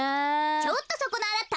ちょっとそこのあなた。